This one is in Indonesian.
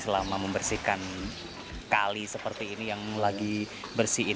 selama membersihkan kali seperti ini yang lagi bersihin